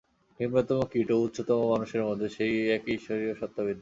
নিম্নতম কীট এবং উচ্চতম মানুষের মধ্যে সেই একই ঈশ্বরীয় সত্তা বিদ্যমান।